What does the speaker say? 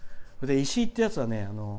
石井ってやつはね